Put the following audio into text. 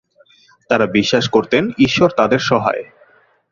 তারা বিশ্বাস করতেন ঈশ্বর তাদের সহায়।